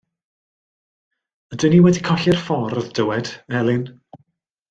Yden ni wedi colli'r ffordd, dywed, Elin?